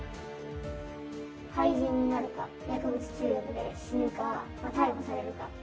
廃人になるか、薬物中毒で死ぬか、逮捕されるか。